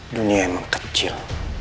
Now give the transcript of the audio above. dunia emang kecil